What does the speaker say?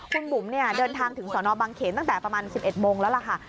คุณบุ๋มเนี่ยเดินทางถึงสนบังเขนตั้งแต่ประมาณ๑๑โมงแล้วล่ะค่ะ